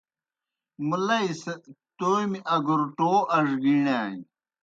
مُلئی سہ تومیْ اگُوْرٹوٗ اڙگِیݨانیْ۔